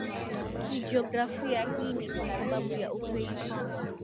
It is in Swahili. kijiografia Hii ni kwa sababu ya ukweli kwamba